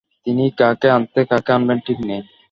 তিনি কাকে আনতে কাকে আনবেন ঠিক নেই।